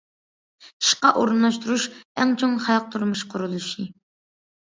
ئىشقا ئورۇنلاشتۇرۇش ئەڭ چوڭ خەلق تۇرمۇشى قۇرۇلۇشى.